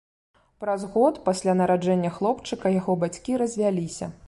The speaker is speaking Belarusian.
Праз год пасля нараджэння хлопчыка яго бацькі развяліся.